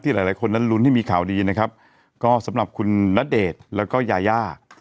หลายหลายคนนั้นลุ้นให้มีข่าวดีนะครับก็สำหรับคุณณเดชน์แล้วก็ยายา